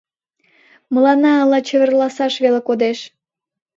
— Мыланна ала чеверласаш веле кодеш?